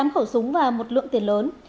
một mươi tám khẩu súng và một lượng tiền lớn